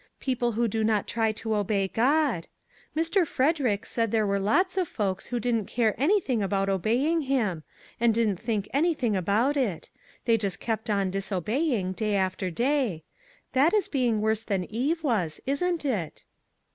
People who do not try to obey God. Mr. Frederick said there were lots of folks who didn't care anything about obey ing him; and didn't think anything about it; they just kept on disobeying, day after MAG AND MARGARET day. That is being worse than Eve was, isn't it?"